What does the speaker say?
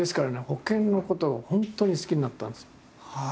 保険のことが本当に好きになったんですよ。